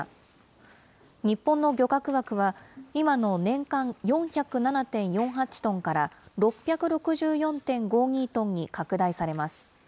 日本の漁獲枠は、今の年間４０７．４８トンから、６６４．５２トンに拡大されます。